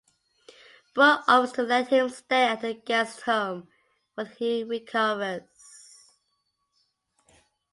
Brooke offers to let him stay at her guest home while he recovers.